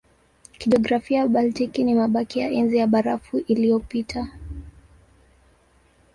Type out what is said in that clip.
Kijiografia Baltiki ni mabaki ya Enzi ya Barafu iliyopita.